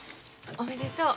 おめでとう。